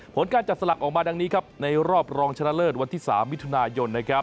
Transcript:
ผลการจับสลักออกมาดังนี้ครับในรอบรองชนะเลิศวันที่๓มิถุนายนนะครับ